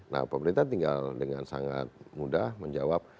nah pemerintah tinggal dengan sangat mudah menjawab